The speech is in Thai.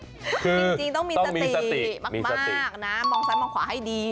จริงต้องมีสติมากนะมองซ้ายมองขวาให้ดี